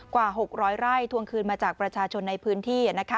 กว่า๖๐๐ไร่ทวงคืนมาจากประชาชนในพื้นที่